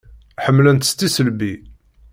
Ḥemmlen-tt s tisselbi.